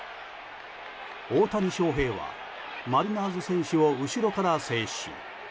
大谷翔平はマリナーズ選手を後ろから制止。